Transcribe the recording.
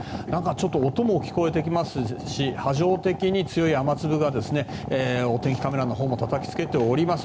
ちょっと音も聞こえてきますし波状的に強い雨粒がお天気カメラのほうをたたきつけています。